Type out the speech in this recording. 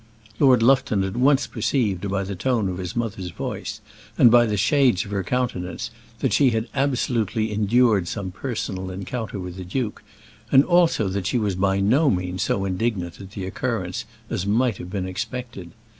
Lord Lufton at once perceived, by the tone of his mother's voice and by the shades of her countenance that she had absolutely endured some personal encounter with the duke, and also that she was by no means so indignant at the occurrence as might have been expected.